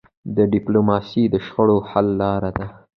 ډيپلوماسي د شخړو حل لاره ده.